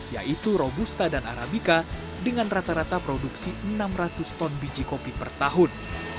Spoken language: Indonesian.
yaitu robusta dan arabica dengan rata rata produksi enam ratus ton biji kopi per tahun